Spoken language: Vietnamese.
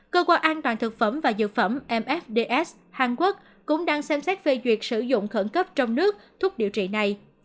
cơ quan an toàn thực phẩm và dược phẩm msds hàn quốc cũng đang xem xét phê duyệt sử dụng khẩn cấp trong nước thuốc điều trị này